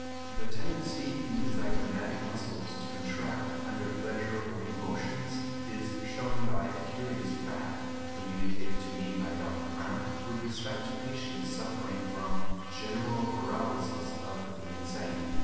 The tendency in the zygomatic muscles to contract under pleasurable emotions is shown by a curious fact, communicated to me by Dr. Browne, with respect to patients suffering from GENERAL PARALYSIS OF THE INSANE.